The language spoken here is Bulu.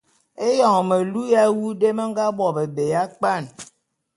Éyon melu ya awu dé me nga bo bébé ya kpwan.